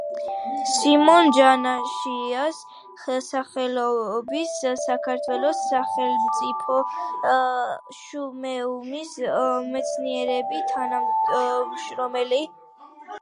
სიმონ ჯანაშიას სახელობის საქართველოს სახელმწიფო მუზეუმის მეცნიერი თანამშრომელი.